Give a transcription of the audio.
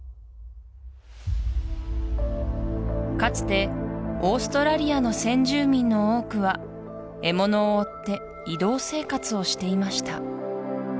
かつてオーストラリアの先住民の多くは獲物を追って移動生活をしていました